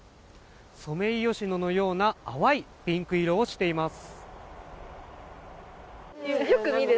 ソメイヨシノのような淡いピンク色をしています。